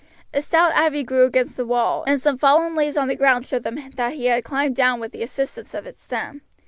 A stout ivy grew against the wall, and some fallen leaves on the ground showed them that he had climbed down with the assistance of its stem.